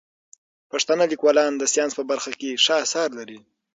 پښتانه لیکوالان د ساینس په برخه کې ښه اثار لري.